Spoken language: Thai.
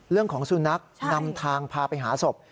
เรื่องของสุนัขนำทางพาไปหาศพ